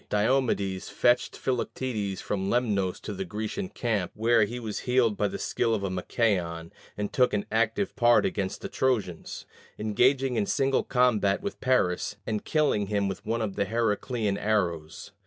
Diomedes fetched Philoctetes from Lemnos to the Grecian camp, where he was healed by the skill of Machaon, and took an active part against the Trojans engaging in single combat with Paris, and killing him with one of the Heracleian arrows.